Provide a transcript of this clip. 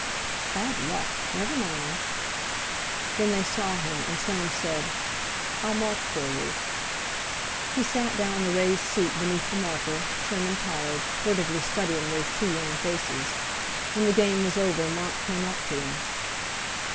"Bad luck! Never mind!" Then they saw him, and Soames said: "I'll mark for you." He sat down on the raised seat beneath the marker, trim and tired, furtively studying those two young faces. When the game was over Mont came up to him.